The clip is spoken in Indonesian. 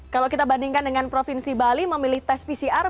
kalau kita bandingkan dengan provinsi bali memilih tes pcr